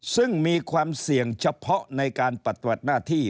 ซึ่งมีความเสี่ยงเฉพาะในการปฏิบัติหน้าที่